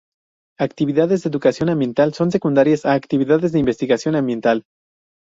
Actividades de educación ambiental son secundarias a actividades de investigación ambiental.